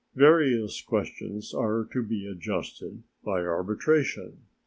Various questions are to be adjusted by arbitration.